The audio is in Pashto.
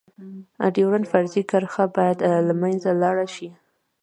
ډيورنډ فرضي کرښه باید لمنځه لاړه شی.